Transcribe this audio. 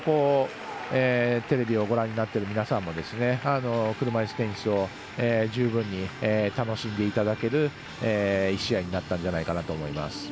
テレビをご覧になっている皆様も車いすテニスを十分に楽しんでいただける１試合になったんじゃないかなと思います。